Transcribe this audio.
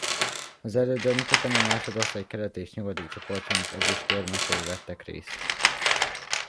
Az elődöntőben a másodosztály keleti és nyugati csoportjának ezüstérmesei vettek részt.